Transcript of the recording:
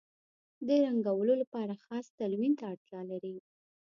د رنګولو لپاره خاص تلوین ته اړتیا لري.